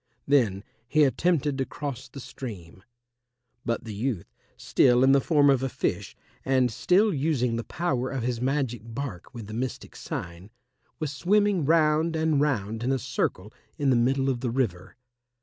Then he attempted to cross the stream. But the youth, still in the form of a fish and still using the power of his magic bark with the mystic sign, was swimming round and round in a circle in the middle of the river.